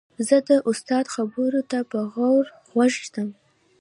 زه د استاد خبرو ته په غور غوږ ږدم.